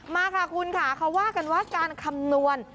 มาค่ะคุณค่ะเขาว่ากันว่าการคำนวณ